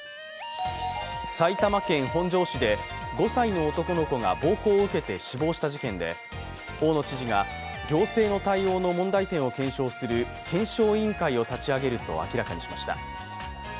埼玉県本庄市で５歳の男の子が暴行を受けて死亡した事件で大野知事が行政の対応の問題点を検証する検証委員会を立ち上げると明らかにしました。